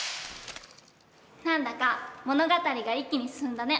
何だか物語が一気に進んだね。